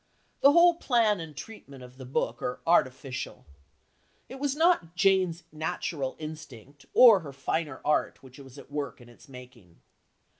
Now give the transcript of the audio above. The whole plan and treatment of the book are artificial. It was not Jane's natural instinct or her finer art which was at work in its making.